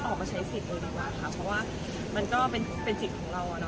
ออกมาใช้สิทธิ์เลยดีกว่าค่ะเพราะว่ามันก็เป็นสิทธิ์ของเรา